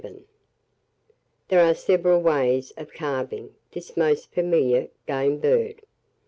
] 1057. There are several ways of carving this most familiar game bird.